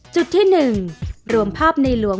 จุดที่๓รวมภาพธนบัตรที่๙